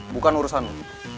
bukan urusan lo